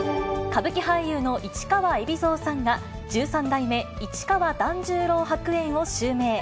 歌舞伎俳優の市川海老蔵さんが、十三代目市川團十郎白猿を襲名。